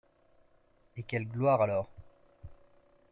Et quelle gloire alors!